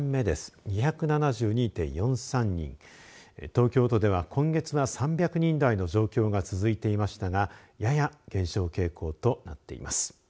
東京都では今月は３００人台の状況が続いていましたがやや減少傾向となっています。